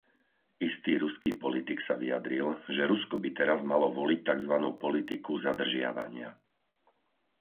Istý ruský politik sa vyjadril, že Rusko by teraz malo voliť takzvanú politiku zadržiavania.